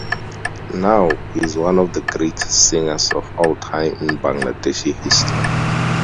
Now, he is one of the greatest singers of all time in Bangladeshi history.